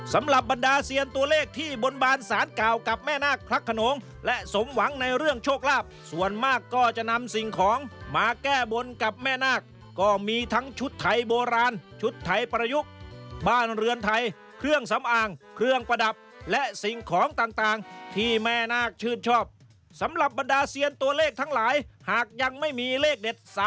สำหรับบรรดาเซียนตัวเลขที่บนบานสารเก่ากับแม่นาคพระขนงและสมหวังในเรื่องโชคลาภส่วนมากก็จะนำสิ่งของมาแก้บนกับแม่นาคก็มีทั้งชุดไทยโบราณชุดไทยประยุกต์บ้านเรือนไทยเครื่องสำอางเครื่องประดับและสิ่งของต่างที่แม่นาคชื่นชอบสำหรับบรรดาเซียนตัวเลขทั้งหลายหากยังไม่มีเลขเด็ด